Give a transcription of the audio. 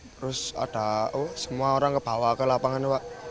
terus ada semua orang ke bawah ke lapangan